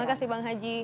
terima kasih bang haji